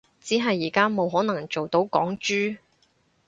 只係而家冇可能做到港豬